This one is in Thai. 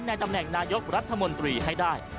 ตำแหน่งนายกรัฐมนตรีให้ได้